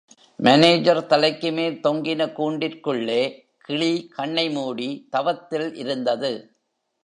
Manager தலைக்குமேல் தொங்கின கூண்டிற்குள்ளே கிளி கண்ணை மூடி தவத்தில் இருந்தது.